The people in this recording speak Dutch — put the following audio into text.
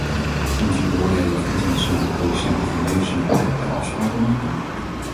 Kunt u beoordelen of internationale producenten van levensmiddelen kartelafspraken maken?